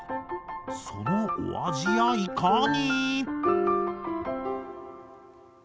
そのお味やいかに？